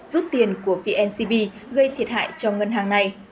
rút tiền của vncb gây thiệt hại cho ngân hàng này